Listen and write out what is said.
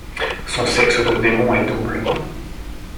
Son sexe de démon est double.